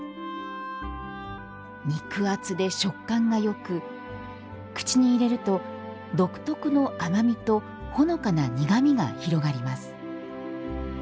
肉厚で食感がよく口に入れると、独特の甘味とほのかな苦味が広がります。